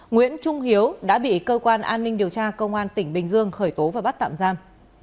nguyễn trung hiếu đã bị cơ quan an ninh điều tra công an tỉnh bình dương khởi tố và bắt tạm giam